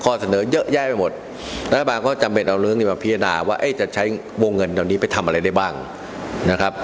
เสนอเยอะแยะไปหมดรัฐบาลก็จำเป็นเอาเรื่องนี้มาพิจารณาว่าจะใช้วงเงินเหล่านี้ไปทำอะไรได้บ้างนะครับ